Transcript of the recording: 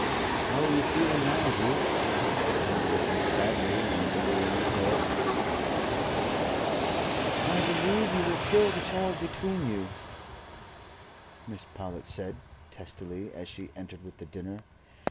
"How are you feeling now, Ruth? You were looking sadly when you were in the court." "I believe you will kill the child between you," Mrs. Powlett said, testily, as she entered with the dinner.